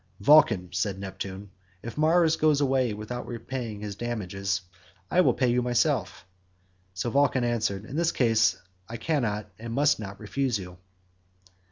"Vulcan," said Neptune, "if Mars goes away without paying his damages, I will pay you myself." So Vulcan answered, "In this case I cannot and must not refuse you."